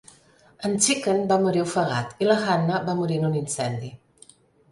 En Chicken va morir ofegat i la Hannah va morir en un incendi.